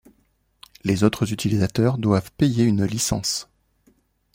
Les autres utilisateurs doivent payer une licence.